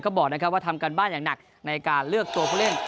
ก็บอกนะครับว่าทำการบ้านอย่างหนักในการเลือกตัวผู้เล่น